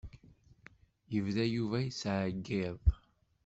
Yebda Yuba yettɛeyyiḍ.